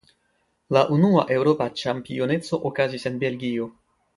La unua Eŭropa Ĉampioneco okazis en Belgio.